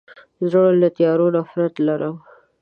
زه له تیارو نفرت لرم.